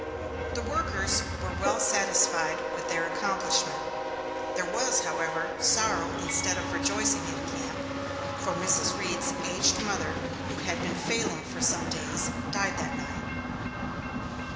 The workers were well satisfied with their accomplishment. There was, however, sorrow instead of rejoicing in camp, for Mrs. Reed's aged mother, who had been failing for some days, died that night.